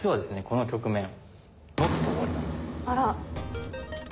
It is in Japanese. この局面あら。